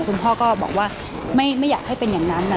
คุณพ่อก็บอกว่าไม่อยากให้เป็นอย่างนั้น